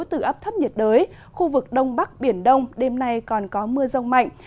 từ áp thấp nhiệt đới khu vực đông bắc biển đông đêm nay còn có mưa rông mạnh